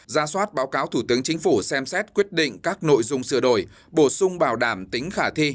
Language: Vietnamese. ra soát báo cáo thủ tướng chính phủ xem xét quyết định các nội dung sửa đổi bổ sung bảo đảm tính khả thi